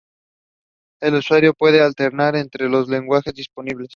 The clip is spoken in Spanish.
El usuario puede alternar entre los lenguajes disponibles.